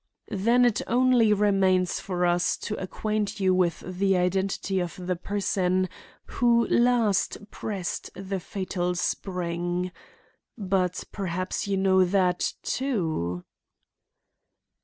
"Then it only remains for us to acquaint you with the identity of the person who last pressed the fatal spring. But perhaps you know that, too?"